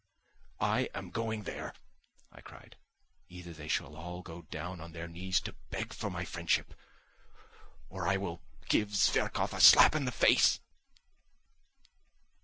"I am going there!" I cried. "Either they shall all go down on their knees to beg for my friendship, or I will give Zverkov a slap in the face!"